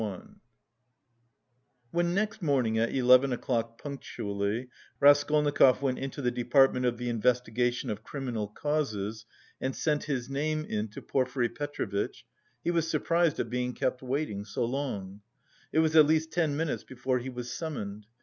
CHAPTER V When next morning at eleven o'clock punctually Raskolnikov went into the department of the investigation of criminal causes and sent his name in to Porfiry Petrovitch, he was surprised at being kept waiting so long: it was at least ten minutes before he was summoned.